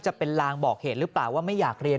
จะเป็นลางบอกเหตุหรือเปล่าว่าไม่อยากเรียน